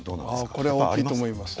これは大きいと思います。